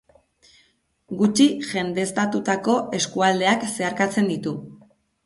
Gutxi jendeztatutako eskualdeak zeharkatzen ditu.